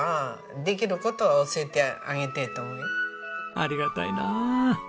ありがたいなあ。